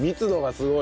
すごい。